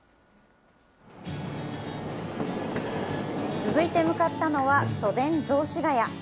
続いて向かったのは、都電雑司ヶ谷。